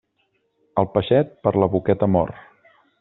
El peixet, per la boqueta mor.